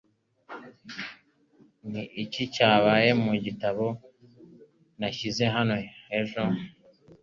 Ni iki cyabaye mu gitabo nashyize hano ejo?